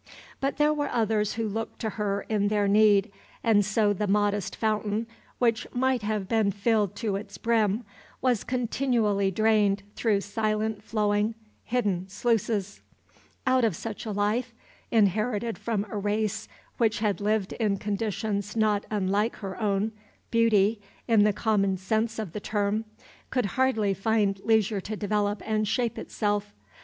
But there were others who looked to her in their need, and so the modest fountain which might have been filled to its brim was continually drained through silent flowing, hidden sluices. Out of such a life, inherited from a race which had lived in conditions not unlike her own, beauty, in the common sense of the term, could hardly find leisure to develop and shape itself.